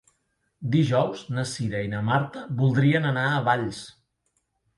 Dijous na Cira i na Marta voldrien anar a Valls.